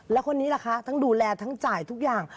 แล้วคนนี้ล่ะคะทั้งดูแลทั้งจ่ายทุกอย่าง